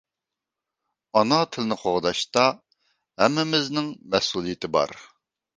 ئانا تىلنى قوغداشتا ھەممىمىزنىڭ مەسئۇلىيىتى بار.